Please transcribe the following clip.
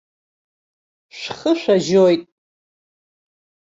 Шәхы шәажьоит!